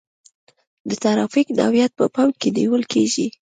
د ترافیک نوعیت په پام کې نیول کیږي